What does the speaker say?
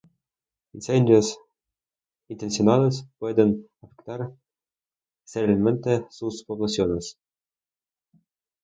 Incendios intencionales pueden afectar seriamente sus poblaciones.